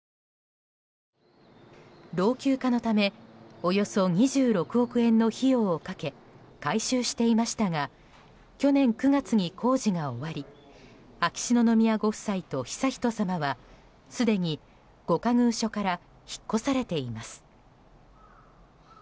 老朽化のためおよそ２６億円の費用をかけ改修していましたが去年９月に工事が終わり秋篠宮ご夫妻と悠仁さまはすでに御仮寓所から引っ越されています。